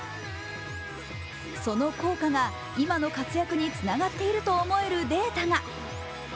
その効果が今の活躍につながっていると思えるデータが。